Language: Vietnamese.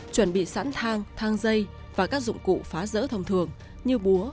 chuẩn bị sẵn thang dây và các dụng cụ phá rỡ thông thường như búa